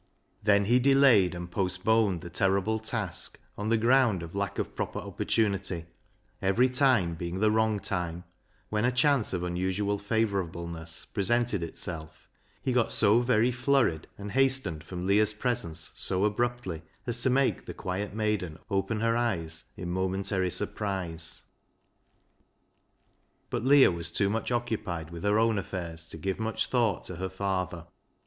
Then he delayed and postponed the terrible task on the ground of lack of proper opportunity, every time being the wrong time ; and once, when a chance of unusual favourableness presented itself, he got so very flurried and hastened from 6o BECKSIDE LIGHTS Leah's presence so abruptly as to make the quiet maiden open her eyes in momentary surprise. But Leah was too much occupied with her own affairs to give much thought to her father.